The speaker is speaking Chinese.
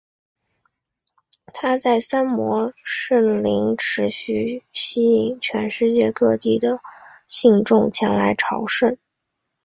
他的三摩地圣陵持续吸引全世界各地的信众前来朝圣。